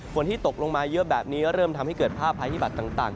ที่ตกลงมาเยอะแบบนี้เริ่มทำให้เกิดภาพภัยพิบัตรต่าง